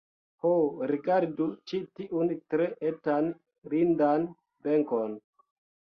Ho, rigardu ĉi tiun tre etan lindan benkon!